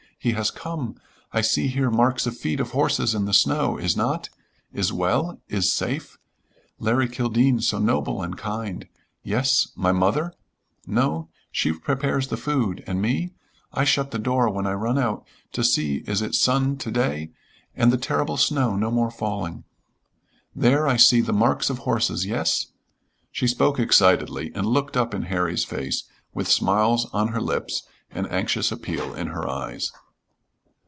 He has come. I see here marks of feet of horses in the snow is not? Is well? Is safe? Larry Kildene so noble and kind! Yes. My mother? No, she prepares the food, and me, I shut the door when I run out to see is it sun to day and the terrible snow no more falling. There I see the marks of horses, yes." She spoke excitedly, and looked up in Harry's face with smiles on her lips and anxious appeal in her eyes.